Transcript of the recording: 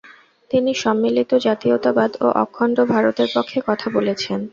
তিনি সম্মিলিত জাতীয়তাবাদ ও অখণ্ড ভারতের পক্ষে কথা বলেছেন।